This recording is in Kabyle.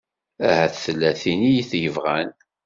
Ahat tella tin i t-yebɣan.